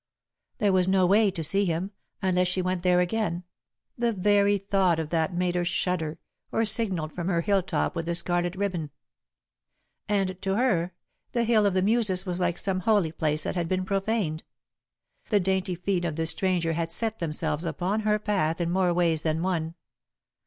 There was no way to see him, unless she went there again the very thought of that made her shudder or signalled from her hill top with the scarlet ribbon. [Sidenote: Hugging her Grief] And, to her, the Hill of the Muses was like some holy place that had been profaned. The dainty feet of the stranger had set themselves upon her path in more ways than one.